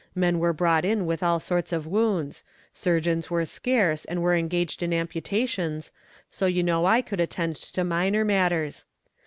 Men were brought in with all sorts of wounds. Surgeons were scarce and were engaged in amputations, so you know I could attend to minor matters.